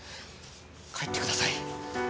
帰ってください。